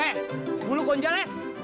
eh buluk gonjales